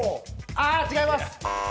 あ、違います。